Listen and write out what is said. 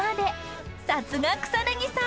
［さすが草さん］